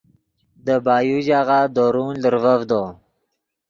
دے بایو ژاغہ درون لرڤڤدو